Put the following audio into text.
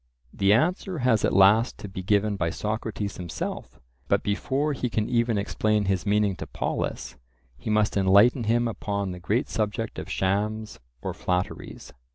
The answer has at last to be given by Socrates himself, but before he can even explain his meaning to Polus, he must enlighten him upon the great subject of shams or flatteries.